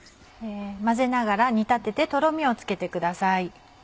混ぜながら煮立ててとろみをつけてください。